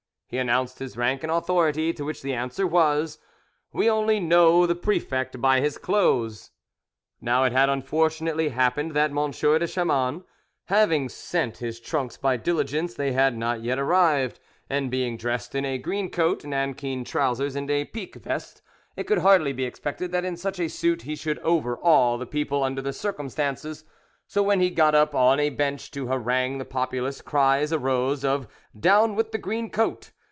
He announced his rank and authority, to which the answer was, "We only know the prefect by his clothes." Now it had unfortunately happened that M. de Chamans having sent his trunks by diligence they had not yet arrived, and being dressed in a green coat; nankeen trousers, and a pique vest, it could hardly be expected that in such a suit he should overawe the people under the circumstances; so, when he got up on a bench to harangue the populace, cries arose of "Down with the green coat!